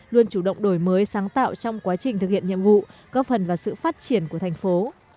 luôn chủ động đổi mới sáng tạo trong quá trình thực hiện nhiệm vụ góp phần vào sự phát triển của thành phố